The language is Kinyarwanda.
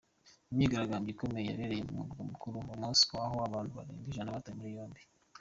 Imyigaragambyo ikomeye yabereye mu murwa mukuru Moscow aho abantu barenga ijana batawe muri yombi.